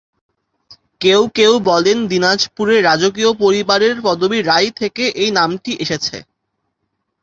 কেউ কেউ বলেন দিনাজপুরে রাজকীয় পরিবারের পদবি "রাই" থেকে এই নামটি এসেছে।